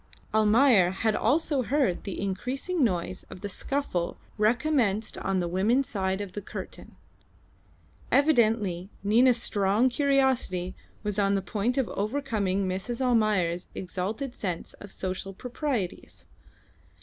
Almayer had also heard the increasing noise of the scuffle recommenced on the women's side of the curtain. Evidently Nina's strong curiosity was on the point of overcoming Mrs. Almayer's exalted sense of social proprieties.